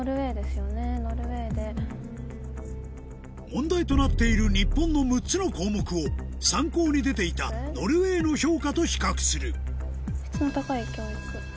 問題となっている日本の６つの項目を参考に出ていたノルウェーの評価と比較する「質の高い教育」。